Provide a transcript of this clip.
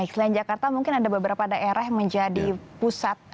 selain jakarta mungkin ada beberapa daerah yang menjadi pusat